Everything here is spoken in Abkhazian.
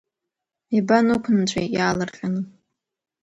Иабанықәнҵәеи иаалырҟьаны?